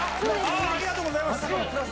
ありがとうございます。